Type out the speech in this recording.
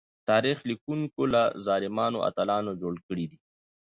تاريخ ليکونکو له ظالمانو اتلان جوړ کړي دي.